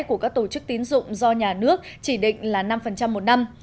của các tổ chức tín dụng do nhà nước chỉ định là năm một năm